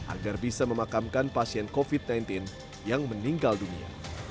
agar bisa memakamkan pasien covid sembilan belas yang meninggal dunia